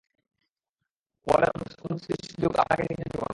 পলের অনুপস্থিতির সুযোগ আপনাকে নিতে দেবো না।